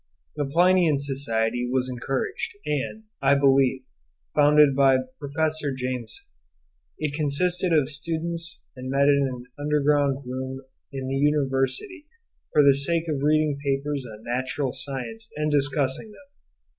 The Plinian Society was encouraged and, I believe, founded by Professor Jameson: it consisted of students and met in an underground room in the University for the sake of reading papers on natural science and discussing them.